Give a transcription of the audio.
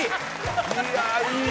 「いやいい！」